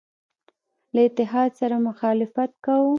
له اتحاد سره مخالفت کاوه.